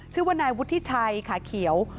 ชื่อว่านายวุฒิชัยขาเขียว